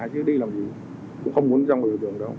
chứ đi làm gì cũng không muốn ra ngoài đường đâu